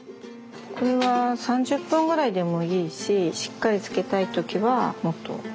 これは３０分ぐらいでもいいししっかり漬けたい時はもっと。